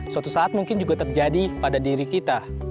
suatu saat mungkin juga terjadi pada diri kita